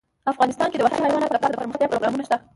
افغانستان کې د وحشي حیواناتو لپاره دپرمختیا پروګرامونه شته.